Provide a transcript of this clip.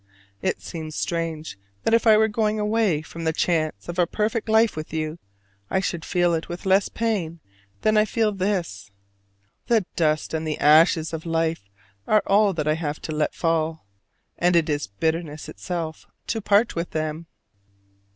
It seems strange that if I were going away from the chance of a perfect life with you I should feel it with less pain than I feel this. The dust and the ashes of life are all that I have to let fall: and it is bitterness itself to part with them.